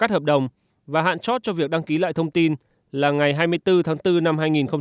các nhà mạng sẽ phải cắt hợp đồng và hạn chót cho việc đăng ký lại thông tin là ngày hai mươi bốn tháng bốn năm hai nghìn một mươi tám